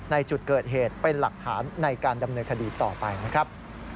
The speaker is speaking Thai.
ในจุดเกิดเหตุเป็นหลักฐานในการดำเนินคดีต่อไปนะครับ